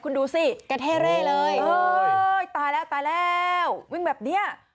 คุณดูสิกระเท่เร่เลยตายแล้วตายแล้ววิ่งแบบเนี้ย